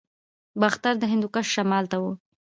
باختر د هندوکش شمال ته و